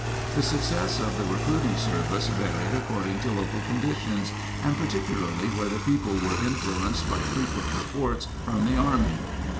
^ The success of the recruiting service varied ac ' cording to local conditions, and particularly wherel the people were influenced by frequent reportsl from the army.